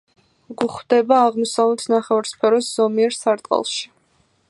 გვხვდება აღმოსავლეთ ნახევარსფეროს ზომიერ სარტყელში.